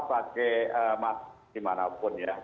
pakai mask dimanapun ya